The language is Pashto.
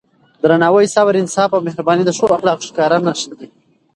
درناوی، صبر، انصاف او مهرباني د ښو اخلاقو ښکاره نښې دي.